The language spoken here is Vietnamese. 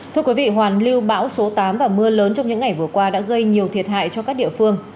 thưa quý vị hoàn lưu bão số tám và mưa lớn trong những ngày vừa qua đã gây nhiều thiệt hại cho các địa phương